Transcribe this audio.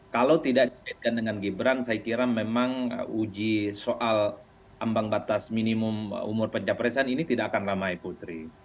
kalau tidak dikaitkan dengan gibran saya kira memang uji soal ambang batas minimum umur pencapresan ini tidak akan ramai putri